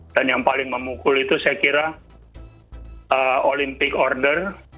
dan yang paling memukul itu saya kira olympic order